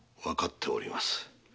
わかっております。